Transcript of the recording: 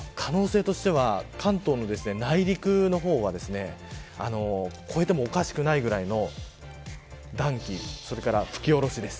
可能性としては関東の内陸の方は超えてもおかしくないぐらいの暖気、それから吹き下ろしです。